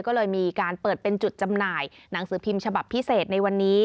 ก็เลยมีการเปิดเป็นจุดจำหน่ายหนังสือพิมพ์ฉบับพิเศษในวันนี้